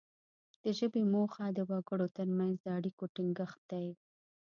د ژبې موخه د وګړو ترمنځ د اړیکو ټینګښت دی